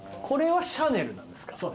これはシャネルなんですか？